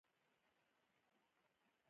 هغه د حالاتو هر درد په سندرو کې بیان کړ